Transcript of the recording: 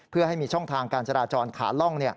เพื่อให้มีช่องทางการจราจรขาล่อง